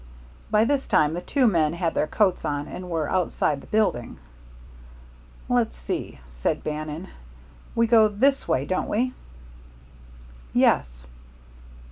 '" By this time the two men had their coats on, and were outside the building. "Let's see," said Bannon, "we go this way, don't we?" "Yes."